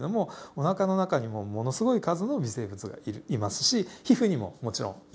おなかの中にもものすごい数の微生物がいますし皮膚にももちろんいます。